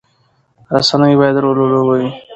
رسنۍ باید رول ولوبوي.